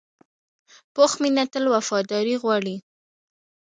پوخ مینه تل وفاداري غواړي